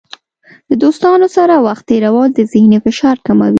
د دوستانو سره وخت تیرول د ذهني فشار کموي.